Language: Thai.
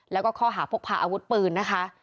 แล้วก็ข้อหาพกพาอาวุธปืนนะคะ